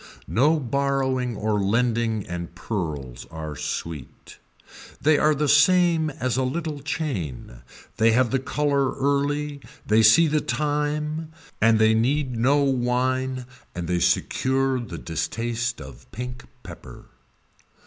No borrowing or lending and pearls are sweet. They are the same as a little chain, they have the color early, they see the time and they need no wine and they secure the distaste of pink pepper.